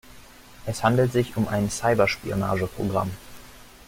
Es handelt sich um ein Cyberspionage-Programm.